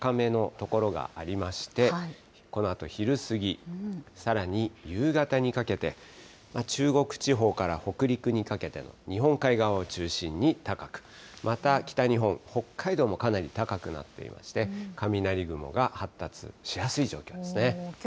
発雷確率を見てみると、午前中からきょうも高めの所がありまして、このあと昼過ぎ、さらに夕方にかけて、中国地方から北陸にかけての日本海側を中心に高く、また北日本、北海道もかなり高くなっていまして、雷雲が発達しやすい状況ですね。